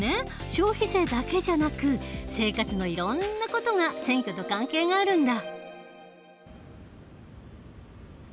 消費税だけじゃなく生活のいろんな事が選挙と関係があるんだ。